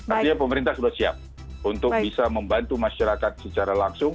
artinya pemerintah sudah siap untuk bisa membantu masyarakat secara langsung